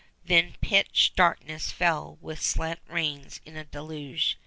Then pitch darkness fell with slant rains in a deluge.